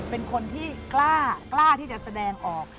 เป็นคนที่กล้าที่จะแสดงออก